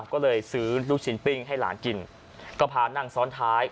ก็เลยซื้อลูกชิ้นปิ้งให้หลานกินก็พานั่งซ้อนท้าย